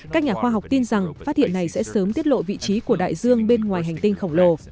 các nhà khoa học tin rằng phát hiện này sẽ sớm tiết lộ vị trí của đại dương bên ngoài hành tinh khổng lồ